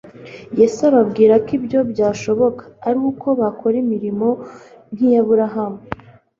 Yesu ababwira ko ibyo byashoboka ari uko bakora imirimo nk'iy'Aburahamu.